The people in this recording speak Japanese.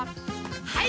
はい！